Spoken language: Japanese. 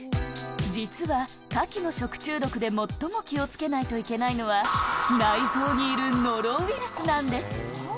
実はカキの食中毒で最も気をつけないといけないのは、内臓にいるノロウイルスなんです。